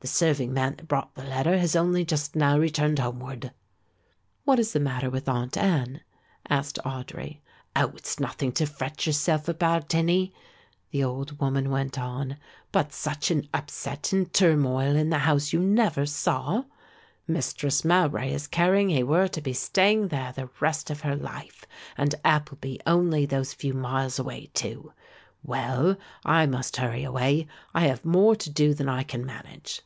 The serving man that brought the letter has only just now returned homeward." "What is the matter with Aunt Ann?" asked Audry. "Oh, it is nothing to fret yourself about, hinnie," the old woman went on, "but such an upset and turmoil in the house you never saw. Mistress Mowbray is carrying he were to be staying there the rest of her life; and Appleby only those few miles away too. Well, I must hurry away; I have more to do than I can manage."